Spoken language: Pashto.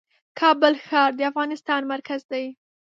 کابل ښار د افغانستان مرکز دی .